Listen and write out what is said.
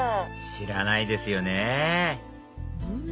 知らないですよね